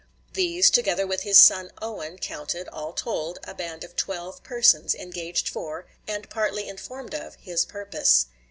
These, together with his son Owen, counted, all told, a band of twelve persons engaged for, and partly informed of, his purpose.